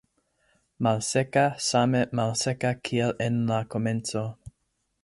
Malseka, same malseka kiel en la komenco.